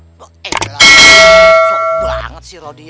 mpok banget si rodia